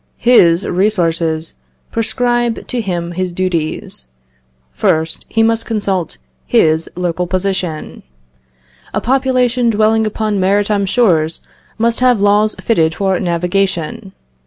His resources prescribe to him his duties. First, he must consult his local position. A population dwelling upon maritime shores must have laws fitted for navigation....